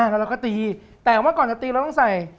แล้วเราก็ตีแต่ว่าก่อนจะตีเราต้องใส่